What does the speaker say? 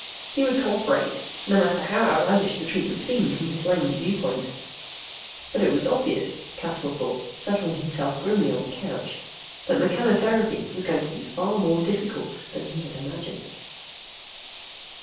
He would cooperate, no matter how outlandish the treatment seemed from his layman's viewpoint. But it was obvious, Caswell thought, settling himself grimly on the couch, that mechanotherapy was going to be far more difficult than he had imagined.